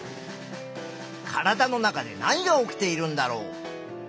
体の中で何が起きているんだろう。